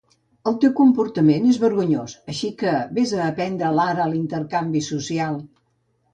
El teu comportament és vergonyós, així que ves a aprendre l'art de l'intercanvi social!